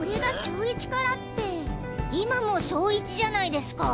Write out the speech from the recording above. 今も小１じゃないですか。